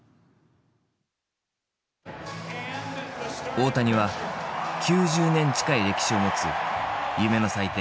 大谷は９０年近い歴史を持つ夢の祭典